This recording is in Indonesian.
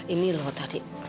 ini loh tadi